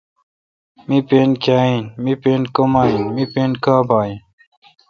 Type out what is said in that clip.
می پن کیا این۔۔می پین کما این۔۔می پن کاں بااین